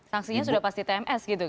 sanksinya sudah pasti tms gitu